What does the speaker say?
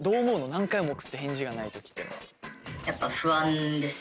何回も送って返事がない時っていうのは。